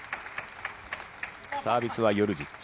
サービスはヨルジッチ。